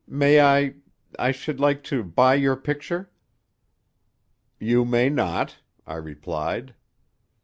May I—I should like to—buy your picture?" "You may not," I replied.